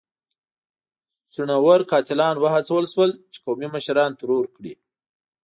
څڼيور قاتلان وهڅول شول چې قومي مشران ترور کړي.